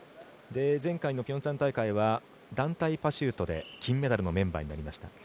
前回のピョンチャン大会は団体パシュートで金メダルのメンバーになりました。